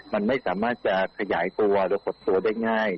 มันไม่สามารถจะขยายตัวหรือขดตัวได้ง่าย